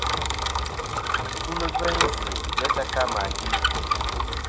Yi sulɨ gveyn zɨ̀ jæ tɨ ka mà gvi.